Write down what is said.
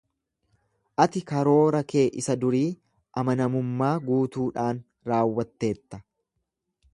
Ati karoora kee isa durii amanamummaa guutuudhaan raawwatteetta.